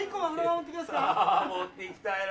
持っていきたいな。